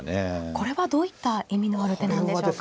これはどういった意味のある手なんでしょうか。